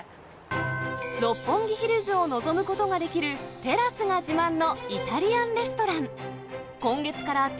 六本木ヒルズが望むことができるテラスが自慢のイタリアンレストラン。